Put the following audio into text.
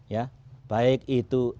ya baik itu